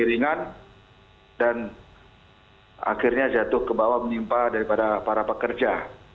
ringan dan akhirnya jatuh ke bawah menimpa daripada para pekerja